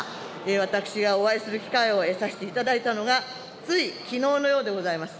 私がお会いする機会を得させていただいたのが、ついきのうのようでございます。